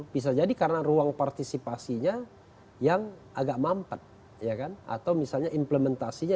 bisa jadi karena ruang partisipasinya yang agak mampet ya kan atau misalnya implementasinya